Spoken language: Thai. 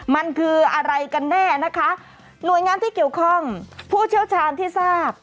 มันคืออะไรกันแน่นะคะหน่วยงานที่เกี่ยวข้องผู้เชี่ยวชาญที่ทราบ